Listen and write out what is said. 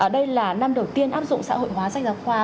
đây là năm đầu tiên áp dụng xã hội hóa sách giáo khoa